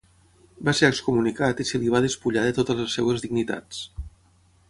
Va ser excomunicat i se li va despullar de totes les seves dignitats.